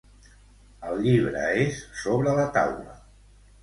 El llibre és sobre la taula.